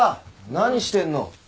何してんの？